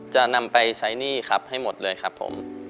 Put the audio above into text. จะนำไปใช้หนี้ครับให้หมดเลยครับผม